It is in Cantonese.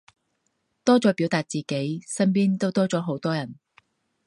多咗表達自己，身邊都多咗好多人